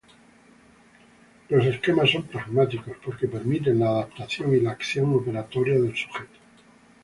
Los esquemas son pragmáticos porque permiten la adaptación y la acción operatoria del sujeto.